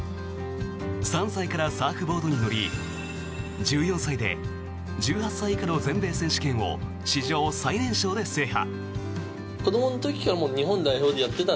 ３歳からサーフボードに乗り１４歳で１８歳以下の全米選手権を史上最年少で制覇。